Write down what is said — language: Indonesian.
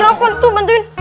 nampak tuh bantuin